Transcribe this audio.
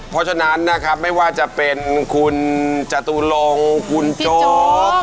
เพราะฉะนั้นนะครับไม่ว่าจะเป็นคุณจตุลงคุณโจ๊ก